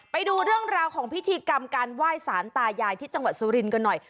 ไปดูเรื่องราวของพิธีกรรมการไหว้สารตายายที่จังหวัดสุรินทร์กันหน่อย